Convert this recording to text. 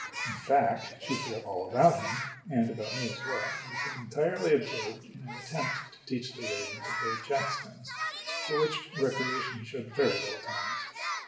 In fact, she forgot all about him, and about me as well, and became entirely absorbed in an attempt to teach the raven to play jack stones for which recreation he showed very little talent.